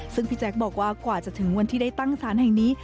ซึ่งพี่แจ๊คบอกว่ากว่าจะถึงวันที่ได้ตั้งสารแห่งนี้